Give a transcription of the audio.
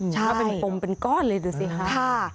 ใช่มันเป็นก้อนเลยดูสิครับ